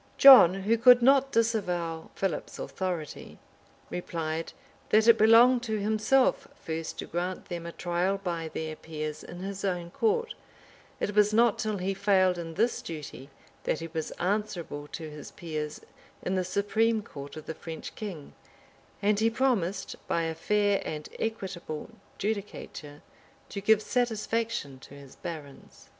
{1202.} John, who could not disavow Philip's authority, replied, that it belonged to himself first to grant them a trial by their peers in his own court; it was not till he failed in this duty, that he was answerable to his peers in the supreme court of the French king; and he promised, by a fair and equitable judicature, to give satisfaction to his barons.